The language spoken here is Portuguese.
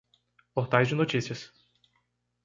Portais de notícias.